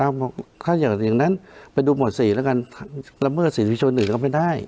เอ้าถ้าอยากอย่างไปดูหมวดสี่แล้วกันละเมิดสิทธิ์ปีชนอื่นหรือไม่ได้